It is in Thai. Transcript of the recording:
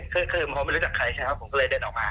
ก็คือพวกมันไม่รู้จักใครใช่หรือคะผมก็เลยเดินออกมา